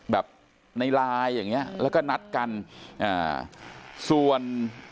แบบในไลน์อย่างเงี้ยแล้วก็นัดกันอ่าส่วน